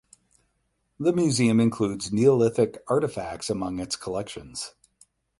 The museum includes Neolithic artifacts among its collections.